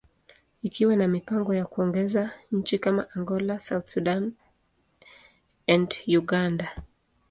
ikiwa na mipango ya kuongeza nchi kama Angola, South Sudan, and Uganda.